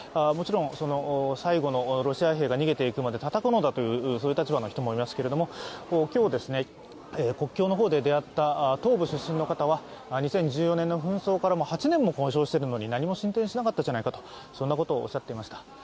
もちろん最後のロシア兵が逃げていくまで戦うのだというそういう立場の人もいますけれども、今日、国境の方で出会った東部出身の方は２０１４年の紛争から８年も交渉しているのに何も進展しなかったじゃないかとそんなことをおっしゃっていました。